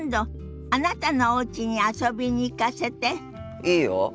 いいよ。